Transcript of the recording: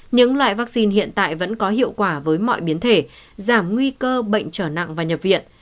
những loại vaccine hiện tại vẫn có hiệu quả với mọi biến thể giảm nguy cơ bệnh trở nặng và nhập viện